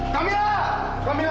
gak bridik parasnya